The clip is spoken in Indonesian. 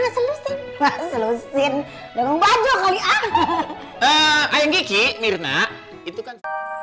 selesai selesin baju kali ah ayo gigi nirna itu kan